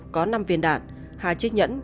có năm viên đạn hai chiếc nhẫn